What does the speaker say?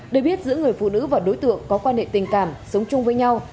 để biết giữa người phụ nữ và đối tượng có quan hệ tình cảm sống chung với nhau